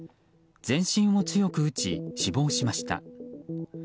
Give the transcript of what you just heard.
全身を強く打ち、死亡しました。